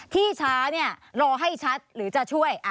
ที่ช้ารอให้ชัดหรือจะช่วย